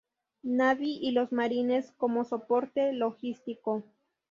Navy y los Marines como soporte logístico.